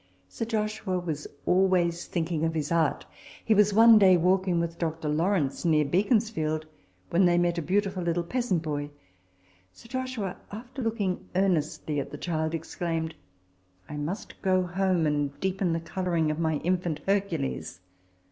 Sir Joshua was always thinking of his art. He was one day walking with Dr. Lawrence near Beaconsfield, when they met a beautiful little peasant boy. Sir Joshua, after looking earnestly at the child, exclaimed, " I must go home and deepen the colouring of my Infant Hercules."